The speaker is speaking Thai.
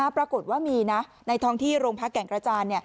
ปรากฏว่ามีในท้องที่โรงพักแก่งกระจาน